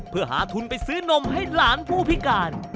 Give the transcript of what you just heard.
เพื่อหาทุนไปซื้อนมให้หลานผู้พิการ